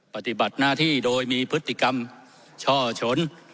ปฏิบัติหน้าที่โดยมีพฤติกรรมช่อชน